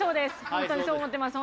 ホントにそう思ってます